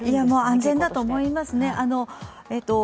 安全だと思いますね。